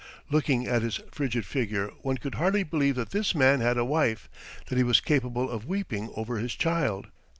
Looking at his frigid figure one could hardly believe that this man had a wife, that he was capable of weeping over his child.